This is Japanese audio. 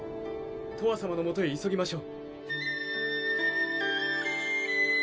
とわさまの元へ急ぎましょう。